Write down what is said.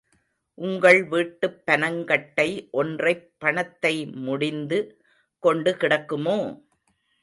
உங்கள் வீட்டுப் பனங்கட்டை ஒற்றைப் பணத்தை முடிந்து கொண்டு கிடக்குமோ?